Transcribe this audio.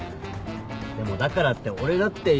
でもだからって俺だっていうのは。